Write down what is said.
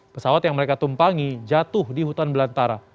pesawat yang mereka tumpangi jatuh di hutan belantara